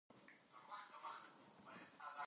د کابل سیند د افغانستان د اقلیمي نظام ښکارندوی دی.